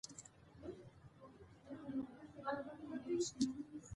دغه بحثونه به د راتلونکي نسل لپاره ګټه ونه لري.